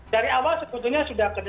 dari awal sebetulnya sudah